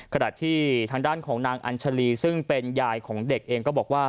ขณะที่ทางด้านของนางอัญชาลีซึ่งเป็นยายของเด็กเองก็บอกว่า